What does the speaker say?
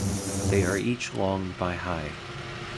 They are each long by high.